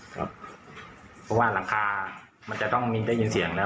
เพราะว่าหลังคามันจะต้องมีได้ยินเสียงแล้ว